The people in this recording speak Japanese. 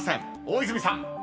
［大泉さん］